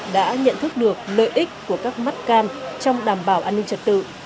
đã nhận thức được lợi ích của các mắt cam trong đảm bảo an ninh trật tự